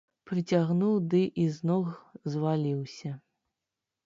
Прыцягнуў ды і з ног зваліўся.